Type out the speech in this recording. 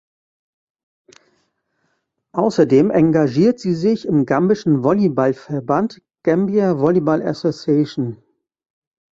Außerdem engagiert sie sich im gambischen Volleyballverband Gambia Volleyball Association.